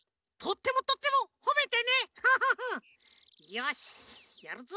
よしやるぞ！